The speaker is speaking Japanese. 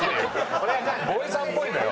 ボーイさんっぽいのよ。